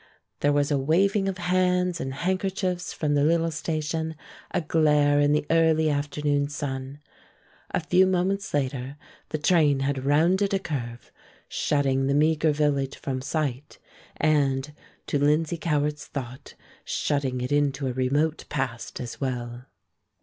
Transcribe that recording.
There was a waving of hands and handkerchiefs from the little station, aglare in the early afternoon sun. A few moments later the train had rounded a curve, shutting the meagre village from sight, and, to Lindsay Cowart's thought, shutting it into a remote past as well.